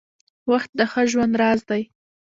• وخت د ښه ژوند راز دی.